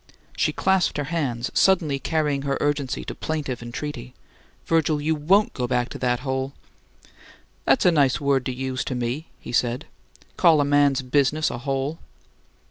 She clasped her hands, suddenly carrying her urgency to plaintive entreaty. "Virgil, you WON'T go back to that hole?" "That's a nice word to use to me!" he said. "Call a man's business a hole!"